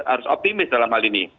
harus optimis dalam hal ini